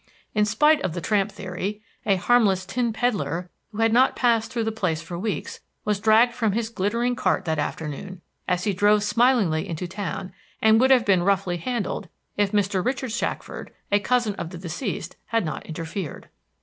In spite of the tramp theory, a harmless tin peddler, who had not passed through the place for weeks, was dragged from his glittering cart that afternoon, as he drove smilingly into town, and would have been roughly handled if Mr. Richard Shackford, a cousin of the deceased, had not interfered.